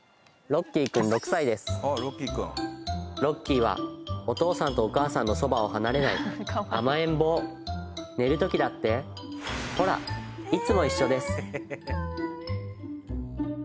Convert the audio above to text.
ロッキーはお父さんとお母さんのそばを離れない甘えん坊寝る時だってほらいつも一緒です